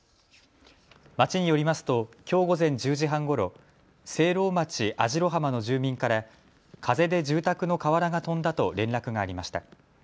町によりますときょう午前１０時半ごろ、聖籠町網代浜の住民から風で住宅の瓦が飛んだと連絡がありました。